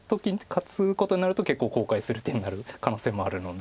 勝つことになると結構後悔する手になる可能性もあるので。